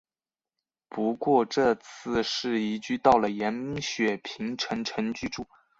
不过这次是移居到了延雪平城城居住。